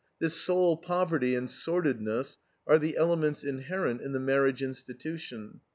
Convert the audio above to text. This soul poverty and sordidness are the elements inherent in the marriage institution.